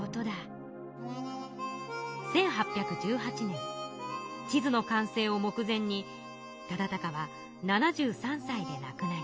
１８１８年地図の完成を目前に忠敬は７３歳でなくなります。